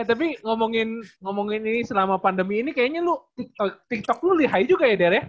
tapi ngomongin ini selama pandemi ini kayaknya lu tiktok lu li high juga ya der ya